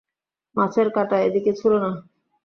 মাছের কাঁটা এদিকে ছুঁড়ো না।